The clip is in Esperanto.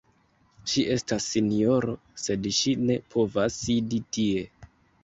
Ŝi estas, sinjoro, sed ŝi ne povas sidi tie.